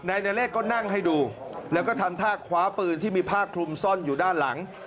เลขก็นั่งให้ดูแล้วก็ทำท่าคว้าปืนที่มีผ้าคลุมซ่อนอยู่ด้านหลัง